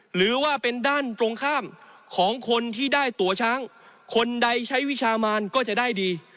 หรือว่าเป็นด้านตรงข้ามของคนที่ได้ตัวช้างคนใดใช้วิชามานก็จะได้ดี